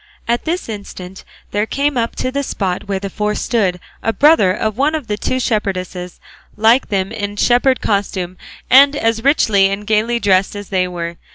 At this instant there came up to the spot where the four stood a brother of one of the two shepherdesses, like them in shepherd costume, and as richly and gaily dressed as they were.